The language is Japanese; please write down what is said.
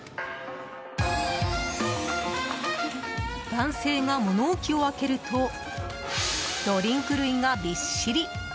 男性が物置を開けるとドリンク類がびっしり。